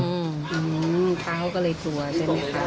อืมเท้าเขาก็เลยกลัวใช่ไหมคะ